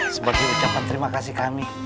sebagai ucapan terima kasih kami